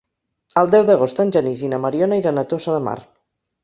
El deu d'agost en Genís i na Mariona iran a Tossa de Mar.